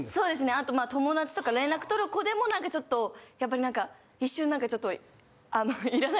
あと友だちとか連絡取る子でも何かちょっとやっぱり何か一瞬何かちょっと。